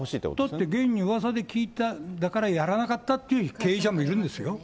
だって現にうわさで聞いた、だからやらなかったという経営者もいるんですよ。